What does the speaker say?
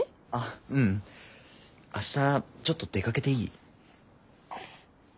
ううん明日ちょっと出かけていい？